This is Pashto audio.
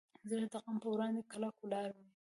زړه د غم پر وړاندې کلک ولاړ وي.